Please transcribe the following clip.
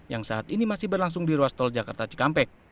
yang saat ini masih berlangsung di ruas tol jakarta cikampek